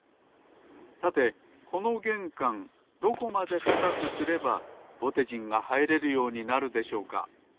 さてこのげんかんどこまで高くすればぼてじんがはいれるようになるでしょうか？